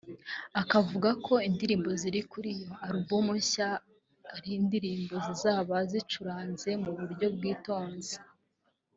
akavuga ko indirimbo ziri kuri iyo Album nshya ari indirimbo zizaba zicuranze mu buryo bwitonze